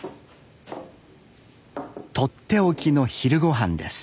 とっておきの昼御飯です。